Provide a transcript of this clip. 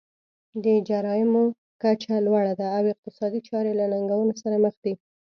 د جرایمو کچه لوړه ده او اقتصادي چارې له ننګونو سره مخ دي.